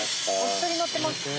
お一人乗ってます。